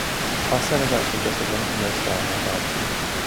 Our sun is actually just a run-of-the-mill star in our galaxy.